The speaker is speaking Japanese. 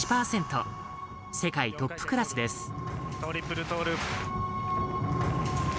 世界トップクラスです。